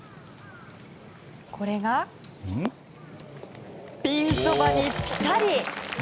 これがピンそばにピタリ！